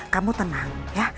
kamu tenang ya